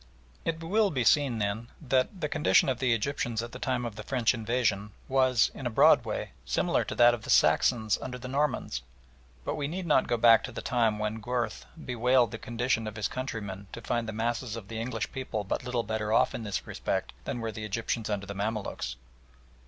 It will be seen, then, that the condition of the Egyptians at the time of the French invasion was, in a broad way, similar to that of the Saxons under the Normans, but we need not go back to the time when Gurth bewailed the condition of his countrymen to find the masses of the English people but little better off in this respect than were the Egyptians under the Mamaluks.